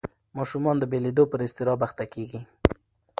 ماشومان د بېلېدو پر اضطراب اخته کېږي.